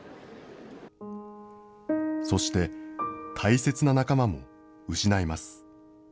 そして、大切な仲間も失います。